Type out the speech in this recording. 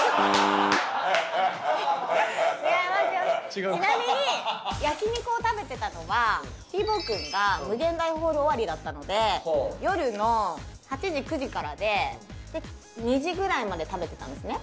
ちなみに焼肉を食べてたのはひーぼぉくんが∞ホール終わりだったので夜の８時９時からで２時ぐらいまで食べてたんですね。